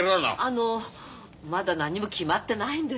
あのまだ何も決まってないんですが。